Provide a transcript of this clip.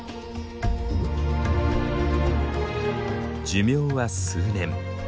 寿命は数年。